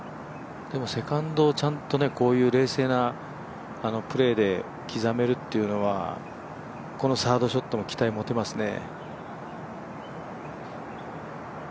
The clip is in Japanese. でもセカンドをこういう冷静なプレーで刻めるというのはこのサードショットも期待持てますね。